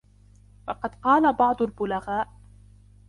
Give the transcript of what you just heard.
وَقَدْ قَالَ بَعْضُ الْبُلَغَاءِ